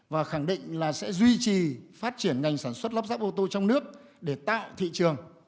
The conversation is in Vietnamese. và khẳng định là sẽ duy trì phát triển ngành sản xuất lắp ráp ô tô trong nước để tạo thị trường